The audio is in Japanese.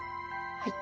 はい。